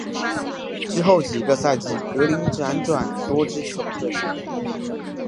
之后几个赛季格林转辗多支球队。